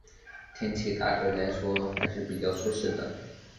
天气大致来说还是比较舒适的。